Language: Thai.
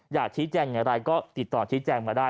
อยากชี้แจงอย่างไรก็ติดต่อชี้แจงมาได้